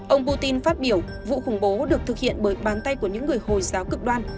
ông putin phát biểu vụ khủng bố được thực hiện bởi bàn tay của những người hồi giáo cực đoan